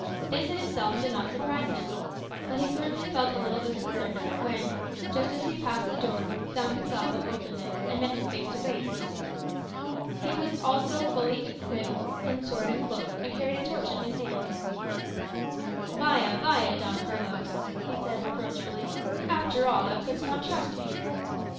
This in itself did not surprise him. But he certainly felt a little disconcerted when, just as he passed the door, Don Gonsalvo opened it, and met him face to face. He also was fully equipped in sword and cloak, and carried a torch in his hand. "Vaya, vaya, Don Carlos," he said reproachfully; "after all, thou couldst not trust me."